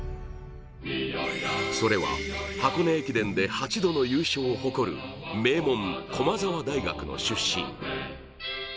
それは箱根駅伝で８度の優勝を誇る、名門・駒澤大学の出身。